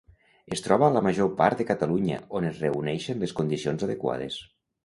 Es troba a la major part de Catalunya on es reuneixen les condicions adequades.